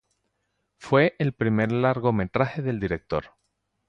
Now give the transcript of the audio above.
Fue el primer largometraje del director.